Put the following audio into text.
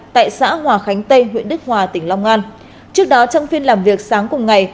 tại xã hòa khánh tây huyện đức hòa tỉnh long an trước đó trong phiên làm việc sáng cùng ngày